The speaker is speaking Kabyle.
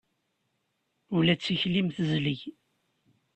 Ula d tikli-m tezleg.